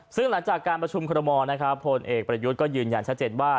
ซึ่งหลังจากการประชุมคอรมอลนะครับผลเอกประยุทธ์ก็ยืนยันชัดเจนว่า